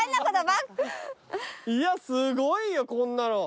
いやすごいよこんなの。